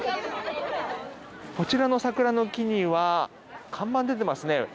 こちらの桜の木には看板が出ていますね。